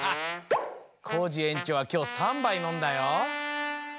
コージえんちょうはきょう３ばいのんだよ。